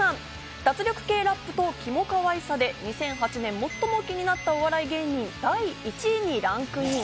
脱力系ラップとキモかわいさで２００８年最も気になったお笑い芸人第１位にランクイン。